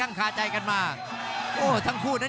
รับทราบบรรดาศักดิ์